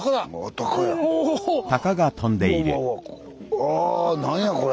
あ何やこれ。